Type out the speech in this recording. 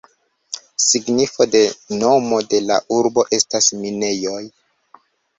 Signifo de nomo de la urbo estas "minejoj".